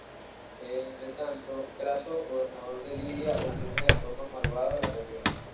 Entre tanto, Craso, gobernador de Lidia, oprime de forma malvada a la región.